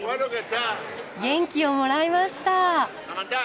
元気をもらいました。